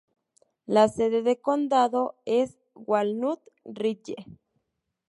La sede de condado es Walnut Ridge.